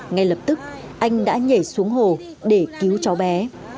ngay lập tức anh đã nhảy xuống hồ để cứu cháu bé